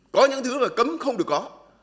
có những thứ là cấm không được có